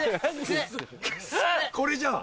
これじゃん。